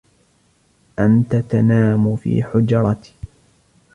أنت تنام في حجرتي.